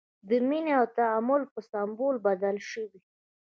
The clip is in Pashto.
د مینې او تعامل په سمبول بدل شوی.